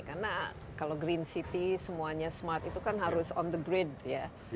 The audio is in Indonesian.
karena kalau green city semuanya smart itu kan harus on the great ya